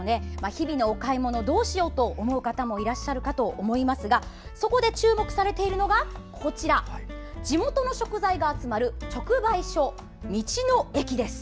日々のお買い物どうしようと思う方もいらっしゃるかと思いますがそこで注目されているのが地元の食材が集まる直売所道の駅です。